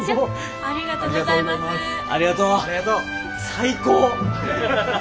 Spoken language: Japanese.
最高！